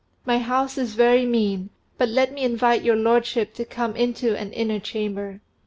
My house is very mean, but let me invite your lordship to come into an inner chamber."